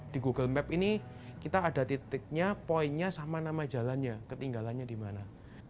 di google map ini kita ada titiknya poinnya sama nama jalannya ketinggalannya di mana